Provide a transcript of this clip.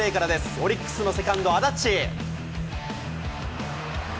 オリックスのセカンド、安達。